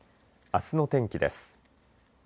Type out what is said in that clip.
あすの天気です。